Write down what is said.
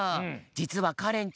じつはかれんちゃん